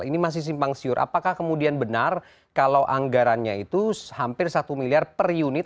ini masih simpang siur apakah kemudian benar kalau anggarannya itu hampir satu miliar per unit